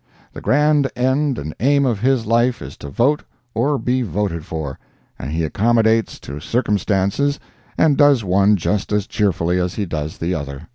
The grand end and aim of his life is to vote or be voted for, and he accommodates to circumstances and does one just as cheerfully as he does the other.